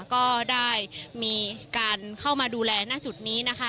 ก็ได้มีการเข้ามาดูแลหน้าจุดนี้นะคะ